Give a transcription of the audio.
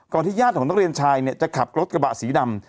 ที่ญาติของนักเรียนชายเนี่ยจะขับรถกระบะสีดำ